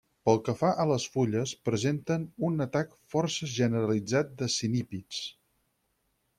Pel que fa a les fulles, presenten un atac força generalitzat de cinípids.